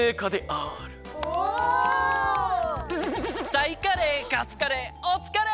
タイカレーカツカレーおつかれ！